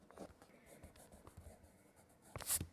সব গ্রামবাসী মিলে চেষ্টা করেছিল, কিন্তু কেউ তুলতে পারেনি।